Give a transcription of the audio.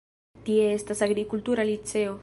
Tie estas agrikultura liceo.